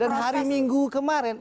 dan hari minggu kemarin